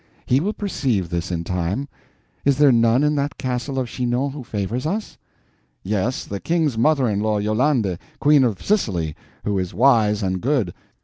He will perceive this in time. Is there none in that Castle of Chinon who favors us?" "Yes, the King's mother in law, Yolande, Queen of Sicily, who is wise and good.